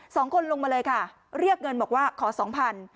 ลงมาเลยค่ะเรียกเงินบอกว่าขอสองพัน